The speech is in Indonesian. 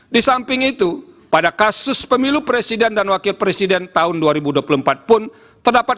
di samping itu pada kasus pemilu presiden dan wakil presiden tahun dua ribu dua puluh empat pun terdapat